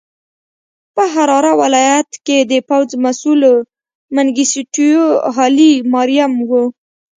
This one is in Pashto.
په حراره ولایت کې د پوځ مسوول منګیسټیو هایلي ماریم و.